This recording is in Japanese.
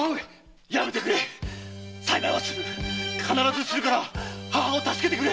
必ずするから母を助けてくれ。